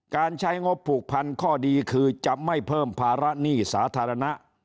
การใช้งบผูกพันข้อดีคือจะไม่เพิ่มภาระหนี้สาธารณะ